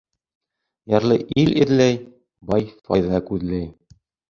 Ярлы ил эҙләй, бай файҙа күҙләй.